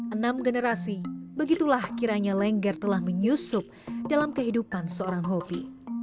enam generasi begitulah kiranya lengger telah menyusup dalam kehidupan seorang hobi